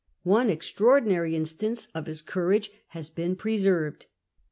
One extra ordinary instance of his courage has been preserved.